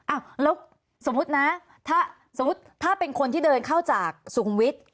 อ่ะแล้วสมมุตินะถ้าเป็นคนที่เดินเข้าจากสุงวิทย์